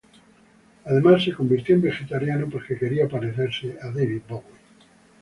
Además, se convirtió en vegetariano porque quería parecerse a David Bowie.